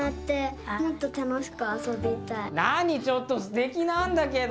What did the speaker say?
なにちょっとすてきなんだけど。